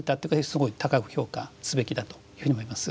すごい高く評価すべきだというふうに思います。